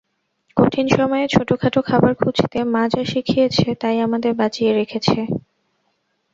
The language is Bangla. কঠিন সময়ে ছোটখাটো খাবার খুঁজতে মা যা শিখিয়েছে তাই আমাদের বাঁচিয়ে রেখেছে।